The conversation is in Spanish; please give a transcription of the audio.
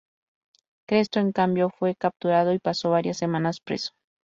Cresto, en cambio, fue capturado y pasó varias semanas preso.